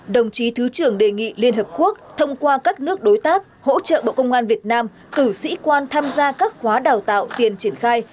đồng chí thứ trưởng đề nghị liên hợp quốc thông qua các nước đối tác hỗ trợ bộ công an việt nam cử sĩ quan tham gia các khóa đào tạo tiền triển khai